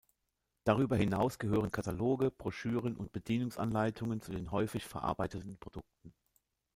Darüber hinaus gehören Kataloge, Broschüren und Bedienungsanleitungen zu den häufig verarbeiteten Produkten.